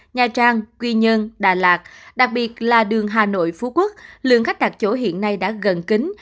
nha trang quy nhơn đà lạt đặc biệt là đường hà nội phú quốc lượng khách đặt chỗ hiện nay đã gần kính